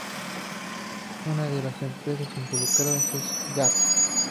Una de las empresas involucradas es Gap.